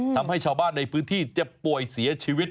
ทำให้ชาวบ้านในพื้นที่เจ็บป่วยเสียชีวิต